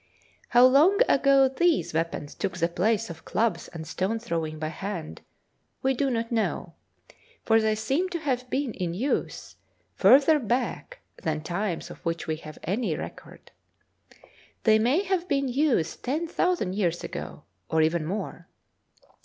How long ago these weapons took the place of clubs and stone throw ing by hand we do not know, for they seem to have been in use further back than times of which we have any record. They may have been used ten thousand years ago, or even more.